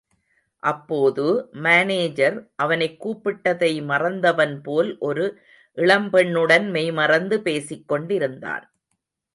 அப்போது, மானேஜர், அவனைக் கூப்பிட்டதை மறந்தவன்போல், ஒரு இளம் பெண்ணுடன் மெய்மறந்து பேசிக் கொண்டிருந்தான்.